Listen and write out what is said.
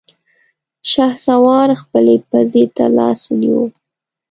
شهسوار خپلې پزې ته لاس ونيو.